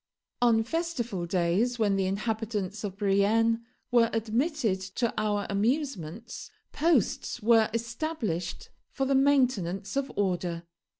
On festival days, when the inhabitants of Brienne were admitted to our amusements, posts were established for the maintenance of order.